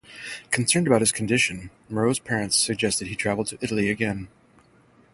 Concerned about his condition, Moreau's parents suggested he travel to Italy again.